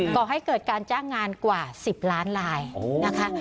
ก่อให้เกิดการจ้างงานกว่า๑๐ล้านลายนะคะ